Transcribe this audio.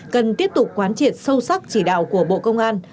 cần tiếp tục quán triệt sâu sắc chỉ đạo của bộ công an